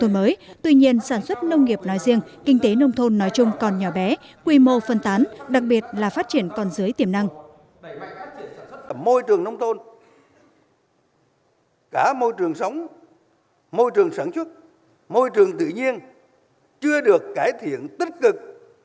môi trường nông thôn cả môi trường sống môi trường sản xuất môi trường tự nhiên chưa được cải thiện tích cực